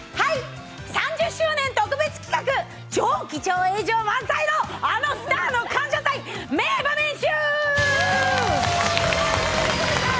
３０周年特別企画、超貴重映像満載のあのスターの感謝祭名場面集。